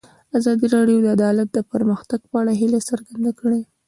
ازادي راډیو د عدالت د پرمختګ په اړه هیله څرګنده کړې.